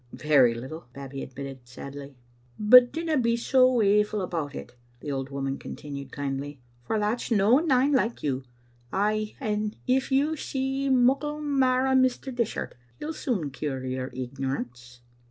"Very little," Babbie admitted, sadly. "But dinna be so waeful about it," the old woman continued, kindly, "for that's no nane like you. Ay, and if you see muckle mair o' Mr. Dishart he'll soon cure your ignorance."